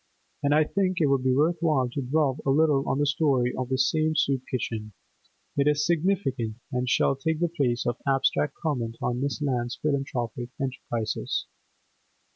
And I think it will be worth while to dwell a little on the story of this same soup kitchen; it is significant, and shall take the place of abstract comment on Miss Lant's philanthropic enterprises.